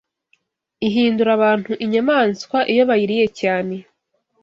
Ihindura abantu inyamaswa iyo bayiriye cyane